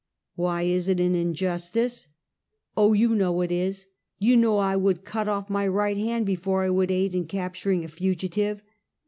" "Why is it an injustice? " "Oh you know it is! You know I would cut off my right hand, before I would aid in capturing a fugi tive."